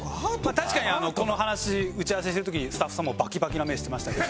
確かにあのこの話打ち合わせしてる時にスタッフさんもうバキバキな目してましたけど。